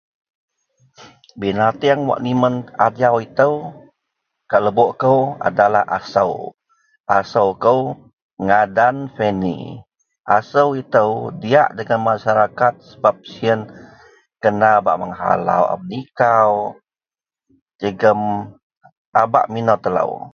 Binateang wak nimen ajau ito gak lebok kou adalah asou. Asou Kou ngadan penny. Asou ito diyak dagen masyarakat sebab siyen kena bak menghalau a menikau jegum a bak mino telo.